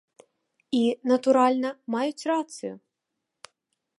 І, натуральна, маюць рацыю.